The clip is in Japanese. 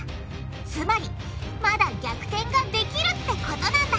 つまりまだ逆転ができるってことなんだ！